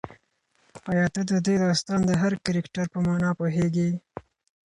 ایا ته د دې داستان د هر کرکټر په مانا پوهېږې؟